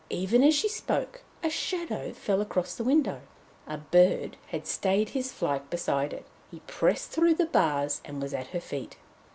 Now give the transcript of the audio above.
Even as she spoke, a shadow fell across the window. A bird had stayed his flight beside it; he pressed through the bars and was at her feet.